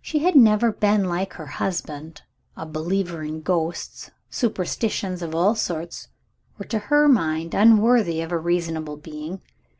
She had never been, like her husband, a believer in ghosts: superstitions of all sorts were to her mind unworthy of a reasonable being.